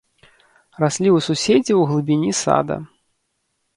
Раслі ў суседзяў у глыбіні сада.